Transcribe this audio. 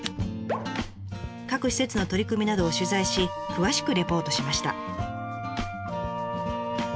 各施設の取り組みなどを取材し詳しくリポートしました。